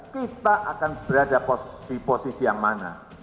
kita akan berada di posisi yang mana